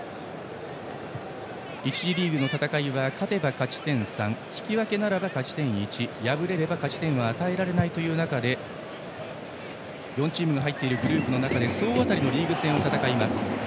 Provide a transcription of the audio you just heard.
１次リーグの戦いは勝てば勝ち点３引き分けなら勝ち点１敗れれば勝ち点は与えられない中で４チームが入っているグループの中で総当たりのリーグ戦を戦います。